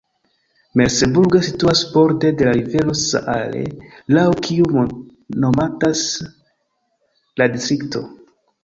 Merseburg situas borde de la rivero Saale, laŭ kiu nomatas la distrikto.